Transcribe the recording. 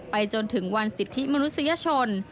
จนถึงวันสิทธิมนุษยชน